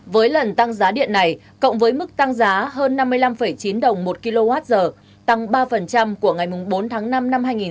với lần tăng giá điện này cộng với mức tăng giá hơn năm mươi năm chín đồng một kwh tăng ba của ngày bốn tháng năm năm hai nghìn hai mươi